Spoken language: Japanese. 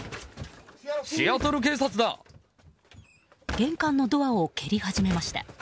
玄関のドアを蹴り始めました。